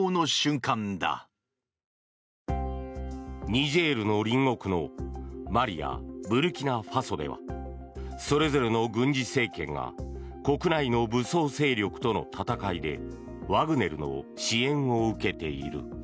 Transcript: ニジェールの隣国のマリやブルキナファソではそれぞれの軍事政権が国内の武装勢力との戦いでワグネルの支援を受けている。